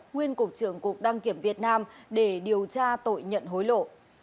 nguyên cục trưởng cục đăng kiểm việt nam để điều tra tội nhận hối lộ